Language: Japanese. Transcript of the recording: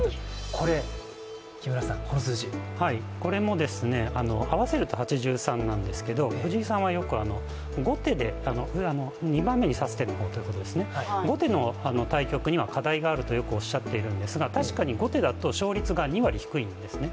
これ、この数字これも合わせると８３なんですけど藤井さんは２番目に指す手、後手の対局には課題があるとよくおっしゃっているんですが確かに後手だと勝率が２割低いんですね。